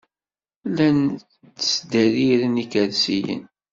Llan ttderriren ikersiyen.